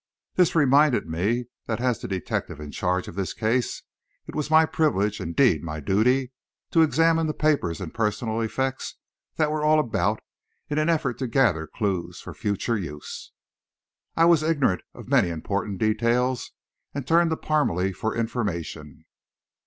This reminded me that as the detective in charge of this case, it was my privilege indeed, my duty to examine the papers and personal effects that were all about, in an effort to gather clues for future use. I was ignorant of many important details, and turned to Parmelee for information.